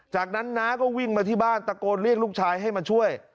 จากนั้นน้าก็วิ่งมาที่บ้านตะโกนเรียกลูกชายให้มาช่วย